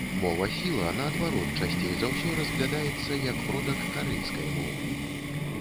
Мова сіла, наадварот, часцей за ўсё разглядаецца як продак карэйскай мовы.